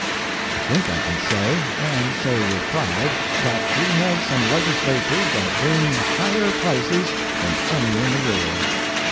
I think I can say, and say with pride, that we have some legislatures that bring higher prices than any in the world.